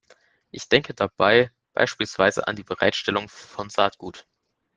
Ich denke dabei beispielsweise an die Bereitstellung von Saatgut.